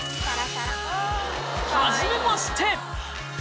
はじめまして！